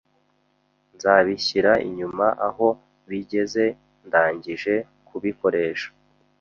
Nzabishyira inyuma aho bigeze ndangije kubikoresha.